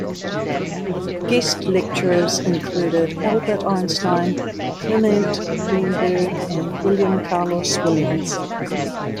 Guest lecturers included Albert Einstein, Clement Greenberg, and William Carlos Williams.